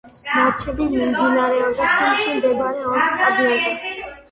მატჩები მიმდინარეობდა თბილისში მდებარე ორ სტადიონზე.